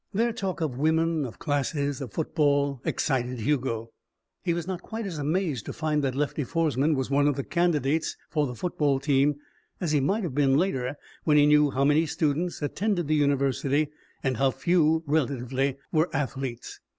Their talk of women, of classes, of football, excited Hugo. He was not quite as amazed to find that Lefty Foresman was one of the candidates for the football team as he might have been later when he knew how many students attended the university and how few, relatively, were athletes.